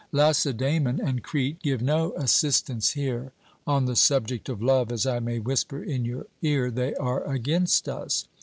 Lacedaemon and Crete give no assistance here; on the subject of love, as I may whisper in your ear, they are against us.